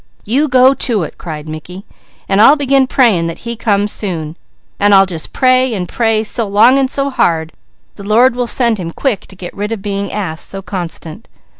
"You go to it!" cried Mickey. "And I'll begin praying that he comes soon, and I'll just pray and pray so long and so hard, the Lord will send him quick to get rid of being asked so constant.